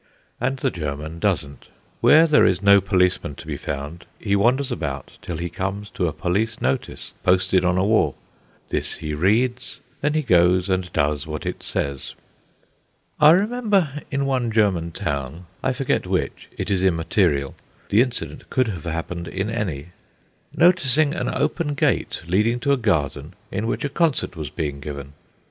And the German doesn't. Where there is no policeman to be found, he wanders about till he comes to a police notice posted on a wall. This he reads; then he goes and does what it says. I remember in one German town I forget which; it is immaterial; the incident could have happened in any noticing an open gate leading to a garden in which a concert was being given.